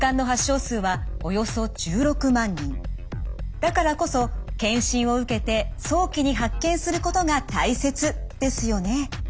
だからこそ検診を受けて早期に発見することが大切ですよね。